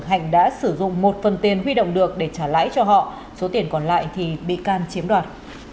hành đã sử dụng một phần tiền huy động được để trả lãi cho họ số tiền còn lại thì bị can chiếm đoạt